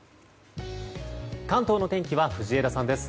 関東の天気は藤枝さんです。